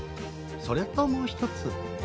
それともう一つ。